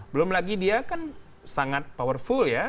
belum lagi dia kan sangat powerful ya